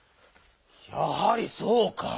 やはりそうか！